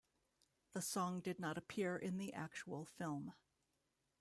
The song did not appear in the actual film.